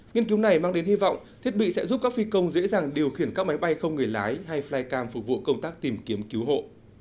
nghiên cứu này mang đến hy vọng thiết bị sẽ giúp các phi công dễ dàng điều khiển các máy bay không người lái hay flycam phục vụ công tác tìm kiếm cứu hộ